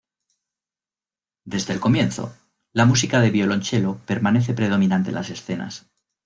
Desde el comienzo, la música de violonchelo permanece predominante en las escenas.